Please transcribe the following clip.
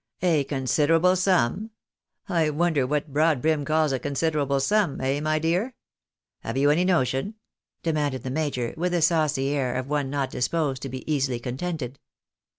" A considerable sum ? I wonder what broadbrim calls a con siderable sum — eh, my dear? Have you any notion?" demanded the major, with the saucy air of one not disposed to be easily con tented.